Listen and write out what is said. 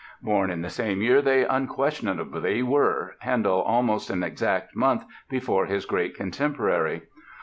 Born in the same year they unquestionably were, Handel almost an exact month before his great contemporary.